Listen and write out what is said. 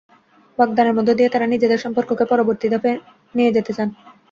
বাগদানের মধ্য দিয়ে তাঁরা নিজেদের সম্পর্ককে পরবর্তী ধাপে নিয়ে যেতে চান।